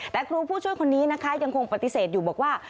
แต่ครูผู้ช่วยคนนี้นะคะยังคงปฏิเสธอยู่บอกว่า